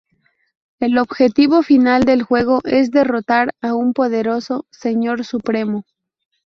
El objetivo final del juego es derrotar a un poderoso "Señor Supremo".